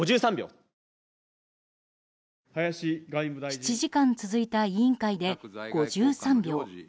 ７時間続いた委員会で５３秒。